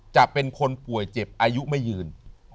จะเป็นคนป่วยเจ็บอายุไม่ยืน